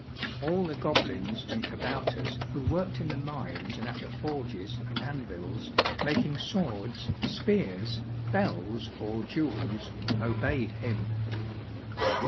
All the goblins and kabouters, who worked in the mines and at the forges and anvils, making swords, spears, bells, or jewels, obeyed him.